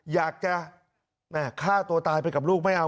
อยากจะฆ่าตัวตายไปกับลูกไม่เอา